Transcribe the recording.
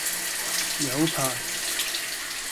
有排